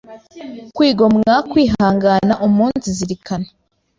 kwigomwa, kwihangana, umunsizirikana,